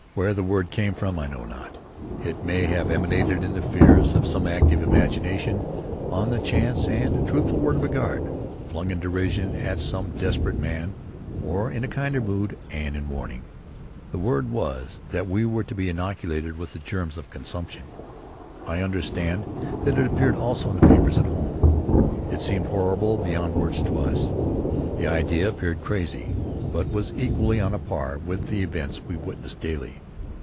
Where the word came from I know not. It may have emanated in the fears of some active imagination on the chance and truthful word of a guard, flung in derision at some desperate man, or in a kindlier mood and in warning. The word was that we were to be inoculated with the germs of consumption. I understand that it appeared also in the papers at home. It seemed horrible beyond words to us. The idea appeared crazy but was equally on a par with the events we witnessed daily.